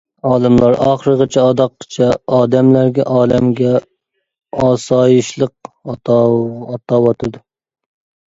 ئالىملار ئاخىرغىچە ئاداققىچە، ئادەملەرگە، ئالەمگە ئاسايىشلىق ئاتاۋاتىدۇ.